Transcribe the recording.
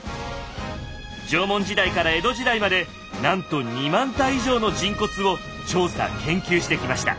縄文時代から江戸時代までなんと２万体以上の人骨を調査・研究してきました。